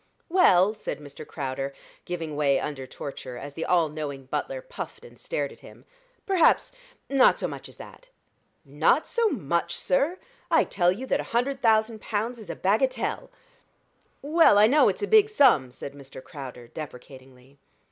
"Well," said Mr. Crowder, giving way under torture, as the all knowing butler puffed and stared at him, "perhaps not so much as that." "Not so much, sir! I tell you that a hundred thousand pounds is a bagatelle." "Well, I know it's a big sum," said Mr. Crowder, deprecatingly.